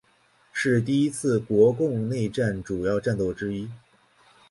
是第一次国共内战主要战斗之一。